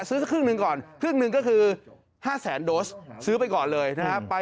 ซื้อครึ่งหนึ่งก่อนครึ่งหนึ่งก็คือ๕แสนโดสซื้อไปก่อนเลยนะครับ